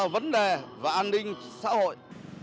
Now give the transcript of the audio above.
vấn đề và an ninh xã hội